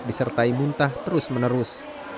disertai muntah terus menerus